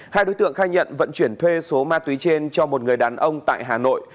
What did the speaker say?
hai đối tượng khai nhận vận chuyển thuê số ma túy trên cho một người đàn ông tại hà nội